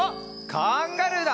カンガルーだ！